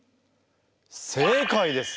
正解です。